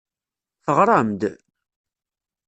Teɣram-d?